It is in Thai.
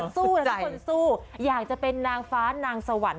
ทุกคนสู้อยากจะเป็นนางฟ้านางสวรรค์